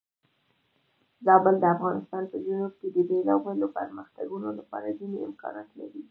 زابل د افغانستان په جنوب کې د بېلابېلو پرمختګونو لپاره ځینې امکانات لري.